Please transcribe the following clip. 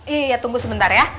iya tunggu sebentar ya